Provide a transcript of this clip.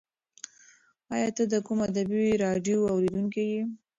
ایا ته د کوم ادبي راډیو اورېدونکی یې؟